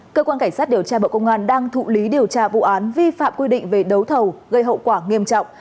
cơ quan cảnh sát điều tra bộ công an đang thụ lý điều tra vụ án vi phạm quy định về đấu thầu gây hậu quả nghiêm trọng